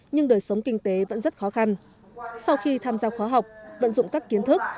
nhưng đời sống kinh tế vẫn rất khó khăn sau khi tham gia khóa học vận dụng các kiến thức